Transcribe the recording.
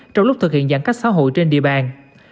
trong lúc thực hiện giãn cách xã hội trên địa bàn